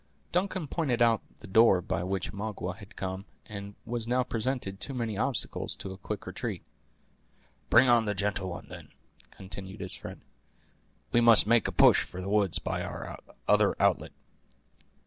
Duncan pointed out the door by which Magua had come, and which now presented too many obstacles to a quick retreat. "Bring on the gentle one, then," continued his friend; "we must make a push for the woods by the other outlet."